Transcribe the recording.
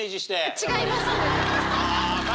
違います。